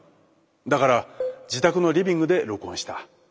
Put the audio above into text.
だから自宅のリビングで録音した。